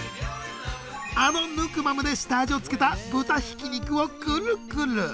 あのヌクマムで下味をつけた豚ひき肉をクルクル。